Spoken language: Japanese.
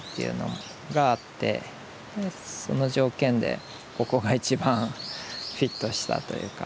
その条件でここが一番フィットしたというか。